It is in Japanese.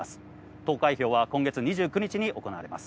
投開票は今月２９日に行われます。